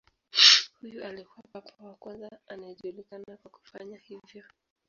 Huyu alikuwa papa wa kwanza anayejulikana kwa kufanya hivyo.